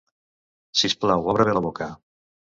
Sisplau, obre bé la boca.